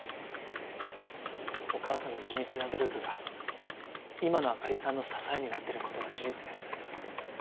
お母さんの地道な努力が今の朱里さんの支えになっている事は事実です。